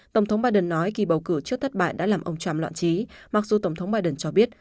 tổng thống biden nói kỳ bầu cử trước thất bại đã làm ông trump loạn trí mặc dù tổng thống biden cho biết